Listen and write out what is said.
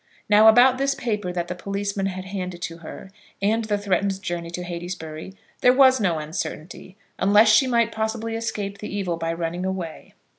Now about this paper that the policeman had handed to her, and the threatened journey to Heytesbury, there was no uncertainty, unless she might possibly escape the evil by running away.